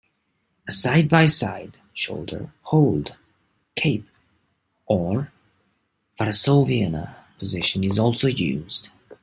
A "side by side", "shoulder hold", "cape", or varsouviana position is also used.